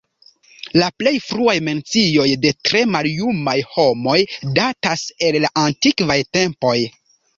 La plej fruaj mencioj de tre maljumaj homoj datas el la antikvaj tempoj.